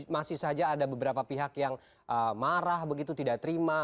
masih saja ada beberapa pihak yang marah begitu tidak terima